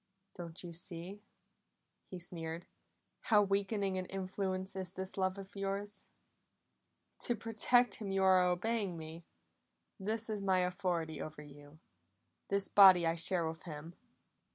"Do you see," he sneered, "how weakening an influence is this love of yours? To protect him you are obeying me; this is my authority over you this body I share with him!"